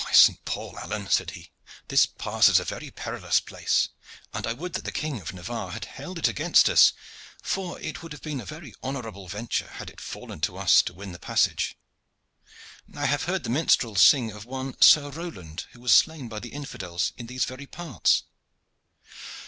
"By Saint Paul! Alleyne," said he, "this pass is a very perilous place, and I would that the King of Navarre had held it against us, for it would have been a very honorable venture had it fallen to us to win a passage. I have heard the minstrels sing of one Sir Roland who was slain by the infidels in these very parts."